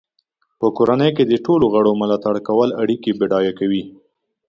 په کورنۍ کې د ټولو غړو ملاتړ کول اړیکې بډای کوي.